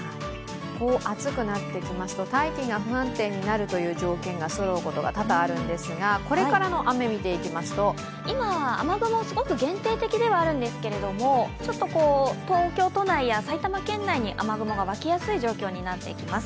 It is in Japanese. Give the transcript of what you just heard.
こう暑くなってきますと大気が不安定になるという条件がそろうことが多々あるんですが、これからの雨見ていきますと今、雨雲すごく限定的ではあるんですけれどもちょっと東京都内や埼玉県内に雨雲が湧きやすい状況となってきます。